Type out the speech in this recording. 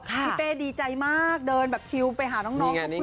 พี่เป้ดีใจมากเดินแบบชิลไปหาน้องทุกคน